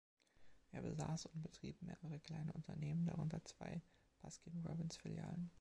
Er besaß und betrieb mehrere kleine Unternehmen, darunter zwei Baskin-Robbins-Filialen.